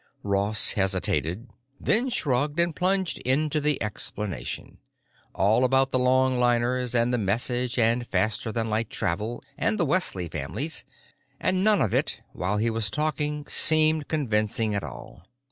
Ross hesitated, then shrugged and plunged into the explanation. All about the longliners and the message and faster than light travel and the Wesley Families—and none of it, while he was talking, seemed convincing at all.